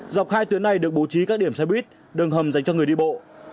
dọc hai tuyến này được bố trí các điểm xe buýt đường hầm dành cho người đi bộ